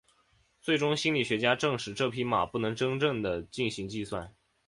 最终心理学家证实这匹马不能真正地进行计算。